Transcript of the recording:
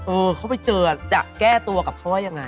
เออเขาไปเจอจะแก้ตัวกับเขาว่ายังไง